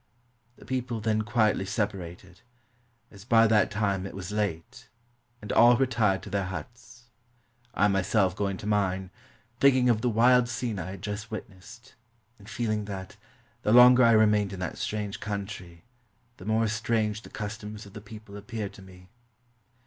The people then quietly separated, as by that time it was late, and all retired to their huts, I myself going to mine, thinking of the wild scene I had just witnessed, and feeling that, the longer I remained in that strange country, the more strange the customs of the people ap peared to me.